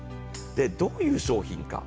どういう商品か。